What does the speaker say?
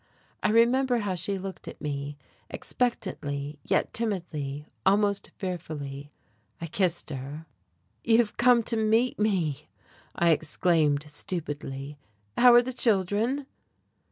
I remember how she looked at me, expectantly, yet timidly, almost fearfully. I kissed her. "You've come to meet me!" I exclaimed stupidly. "How are the children?"